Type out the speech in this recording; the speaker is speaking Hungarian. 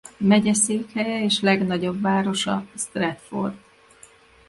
Megyeszékhelye és legnagyobb városa Stratford.